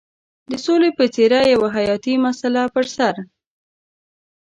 د سولې په څېر یوه حیاتي مسله پر سر.